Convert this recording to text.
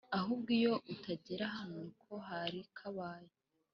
ahubwo iyo utagera hano ko kari kabaye!